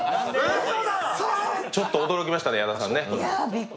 ちょっと驚きましたね、矢田さんね。